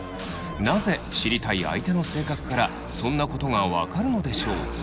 なぜ知りたい相手の性格からそんなことが分かるのでしょう。